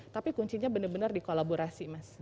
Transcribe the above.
tapi kuncinya benar benar dikolaborasi mas